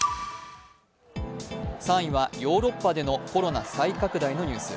３位はヨーロッパでのコロナ再拡大のニュース。